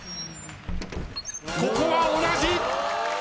ここは同じ！